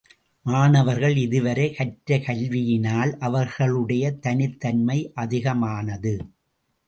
மாணவர்கள் இதுவரை கற்றக் கல்வியினால் அவர்களுடைய தனித் தன்மை அதிகமானது.